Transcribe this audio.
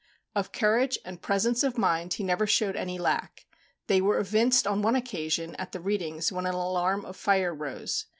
Of courage and presence of mind he never showed any lack. They were evinced, on one occasion, at the readings, when an alarm of fire arose.